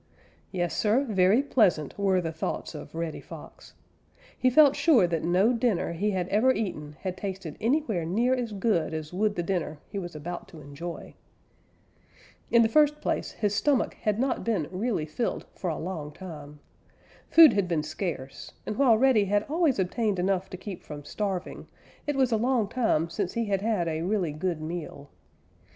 Yes, Sir, very pleasant were the thoughts of Reddy Fox. He felt sure that no dinner he had ever eaten had tasted anywhere near as good as would the dinner he was about to enjoy. In the first place his stomach had not been really filled for a long time. Food had been scarce, and while Reddy had always obtained enough to keep from starving, it was a long time since he had had a really good meal.